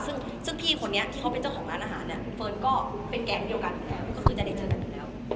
ซึ่งพี่คนนี้ที่เขาเป็นเจ้าของร้านอาหารเนี่ยเฟิร์นก็เป็นแก๊งเดียวกันอยู่แล้วก็คือจะได้เจอกันอยู่แล้ว